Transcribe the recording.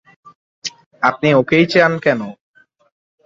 আপনি ওকেই চান কেন?